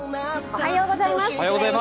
おはようございます。